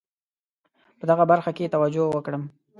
په دغه برخه کې توجه وکړم.